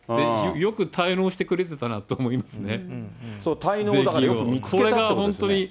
よく滞納してくれてたなと思いますよね。